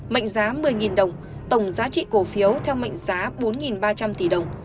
mệnh giá một mươi đồng tổng giá trị cổ phiếu theo mệnh giá bốn ba trăm linh tỷ đồng